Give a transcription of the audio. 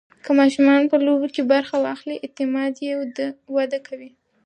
که ماشوم په لوبو کې برخه واخلي، اعتماد یې وده کوي.